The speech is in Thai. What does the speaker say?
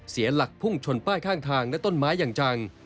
เสียหลักพุ่งชนป้ายข้างทางและต้นไม้อย่างจัง